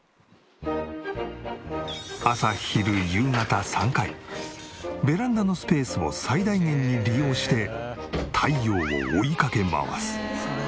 朝昼夕方３回ベランダのスペースを最大限に利用して太陽を追いかけ回す。